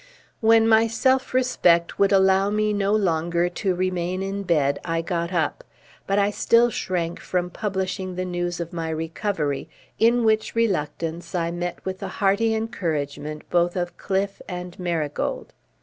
When my self respect would allow me no longer to remain in bed, I got up; but I still shrank from publishing the news of my recovery, in which reluctance I met with the hearty encouragement both of Cliffe and Marigold.